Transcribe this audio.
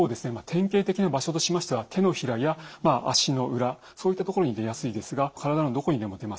典型的な場所としましては手のひらや足の裏そういったところに出やすいですが体のどこにでも出ます。